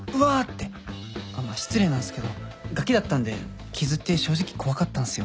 あっまあ失礼なんすけどがきだったんで傷って正直怖かったんすよ。